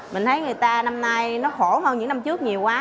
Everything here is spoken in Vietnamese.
mình thấy người ta năm nay nó khổ hơn những năm trước nhiều quá